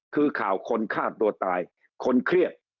คือข่าวคนฆ่าตัวตายคนเครียด